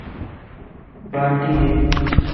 بالٽي ڏي